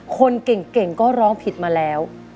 คนเก่งก็ร้องผิดมาแล้ว